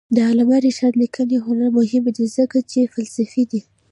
د علامه رشاد لیکنی هنر مهم دی ځکه چې فلسفي دی.